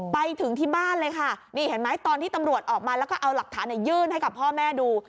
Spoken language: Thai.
ไปถึงที่บ้านเลยค่ะนี่เห็นไหมตอนที่ตำรวจออกมาแล้วก็เอาหลักฐานยื่นให้กับพ่อแม่ดู